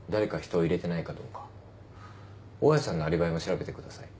大家さんのアリバイも調べてください。